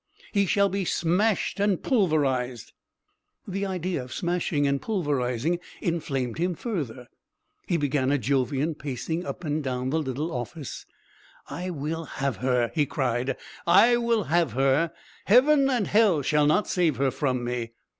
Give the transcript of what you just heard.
He shall be smashed and pulverised." The idea of smashing and pulverising inflamed him further. He began a Jovian pacing up and down the little office. "I will have her," he cried. "I will have her! Heaven and Hell shall not save her from me!"